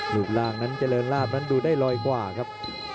รูปร่างนั้นเจริญลาบนั้นดูได้ลอยกว่าครับ